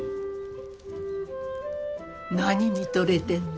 何見とれてんの？